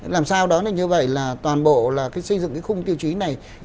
làm sao đó như vậy là toàn bộ xây dựng khung tiêu chí này